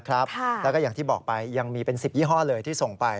แล้วก็อย่างที่บอกไปยังมีเป็น๑๐ยี่ห้อเลยที่ส่งไป